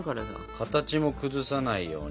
形も崩さないように。